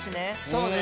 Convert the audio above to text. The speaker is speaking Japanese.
そうね。